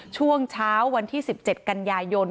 ช่วงเช้าวันที่๑๗กันยายน